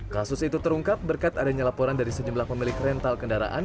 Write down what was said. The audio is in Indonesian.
kasus itu terungkap berkat adanya laporan dari sejumlah pemilik rental kendaraan